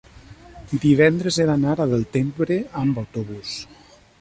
divendres he d'anar a Deltebre amb autobús.